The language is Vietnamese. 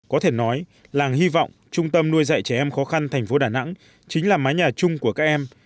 có thể nói làng hy vọng trung tâm nuôi dạy trẻ em khó khăn thành phố đà nẵng chính là mái nhà chung của các em